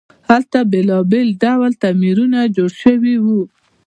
هلته بیلابیل ډوله تعمیرونه جوړ شوي وو.